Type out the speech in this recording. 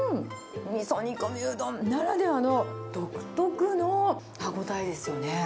みそ煮込みうどんならではの独特の歯応えですよね。